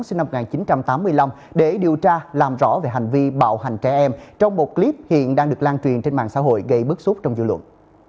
sinh năm một nghìn chín trăm tám mươi năm để điều tra làm rõ về hành vi bạo hành trẻ em trong một clip hiện đang được lan truyền trên mạng xã hội gây bức xúc trong dư luận